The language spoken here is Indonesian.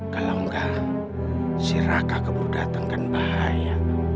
kalau enggak si raka keburu dateng kan bahaya